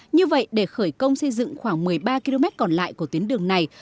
như vậy để khởi công xây dựng khoảng một mươi ba km còn lại của tuyến đường này